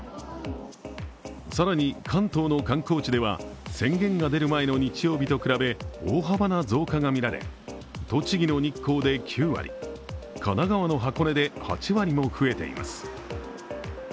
更に、関東の観光地では宣言が出る前の日曜日と比べ大幅な増加が見られ、栃木の日光で９割神奈川の箱根で８割も増えています。